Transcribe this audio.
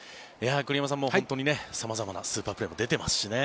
栗山さん、様々なスーパープレーも出てますしね。